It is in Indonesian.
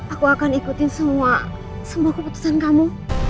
aku akan ikutin semua keputusan kamu